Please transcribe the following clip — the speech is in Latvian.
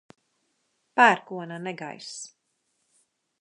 Pērkona negaiss.